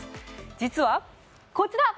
実はこちら！